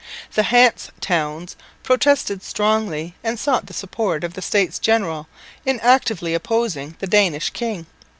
The Hanse towns protested strongly and sought the support of the States General in actively opposing the Danish king.